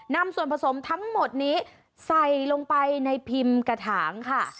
นำส่วนผสมทั้งหมดนี้ใส่ลงไปในพิมพ์กระถางค่ะ